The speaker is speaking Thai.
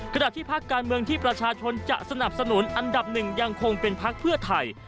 ที่พักการเมืองที่ประชาชนจะสนับสนุนอันดับหนึ่งยังคงเป็นพักเพื่อไทย